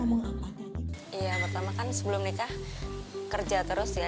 iya pertama kan sebelum nikah kerja terus ya